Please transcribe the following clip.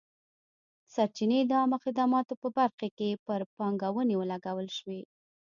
سرچینې د عامه خدماتو په برخه کې پر پانګونې ولګول شوې.